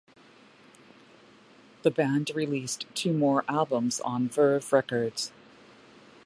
The band released two more albums on Verve Records.